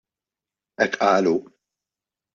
Hekk qal hu.